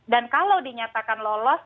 dan kalau dinyatakan lolos